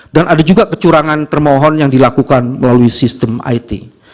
dan ada juga kecurangan termohon yang dilakukan melalui sistem it